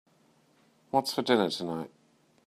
What's for dinner tonight?